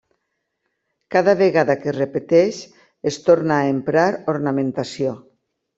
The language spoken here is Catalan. Cada vegada que es repeteix es torna a emprar ornamentació.